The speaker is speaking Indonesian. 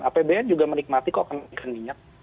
apbn juga menikmati kok akan ikan minyak